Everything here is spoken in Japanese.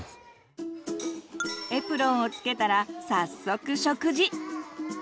エプロンをつけたら早速食事！